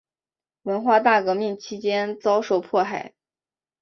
文化大革命期间遭受迫害。